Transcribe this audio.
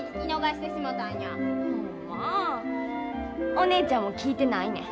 お姉ちゃんも聞いてないねん。